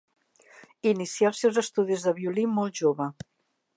Inicià els seus estudis de violí molt jove.